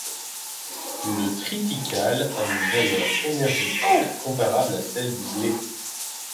Le triticale a une valeur énergétique comparable à celle du blé.